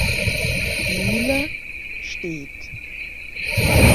Mühle steht.